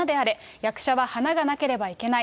役者は花がなければいけない。